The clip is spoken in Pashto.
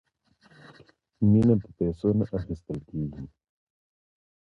مینه په پیسو نه اخیستل کیږي.